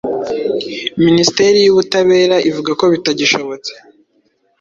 Minisiteri y'Ubutabera ivuga ko bitagishobotse